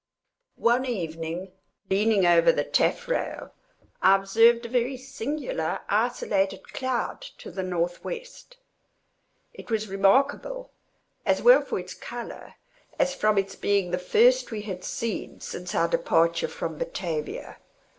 One evening, leaning over the taffrail, I observed a very singular, isolated cloud, to the N.W. It was remarkable, as well for its color, as from its being the first we had seen since our departure from Batavia.